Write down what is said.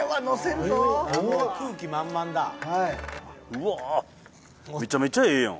うわあめちゃめちゃええやん。